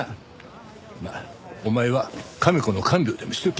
まあお前は亀子の看病でもしとけ。